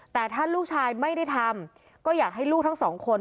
แต่ถ้าลูกชายไม่ได้ทำก็อยากให้ลูกทั้งสองคน